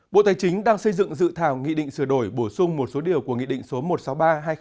bộ tài chính đang xây dựng dự thảo nghị định sửa đổi bổ sung một số điều của nghị định số một trăm sáu mươi ba hai nghìn một mươi